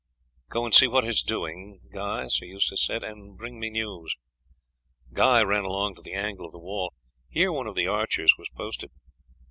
"Go and see what is doing, Guy," Sir Eustace said, "and bring me news." Guy ran along to the angle of the wall. Here one of the archers was posted.